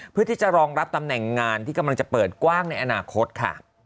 เพื่อที่จะรองรับตำแหน่งงานที่กำลังจะเปิดกว้างในอนาคตค่ะ